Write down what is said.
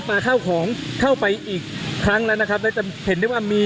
ทางกลุ่มมวลชนทะลุฟ้าทางกลุ่มมวลชนทะลุฟ้า